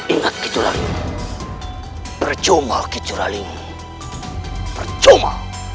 ingat kucur aling percuma kucur aling percuma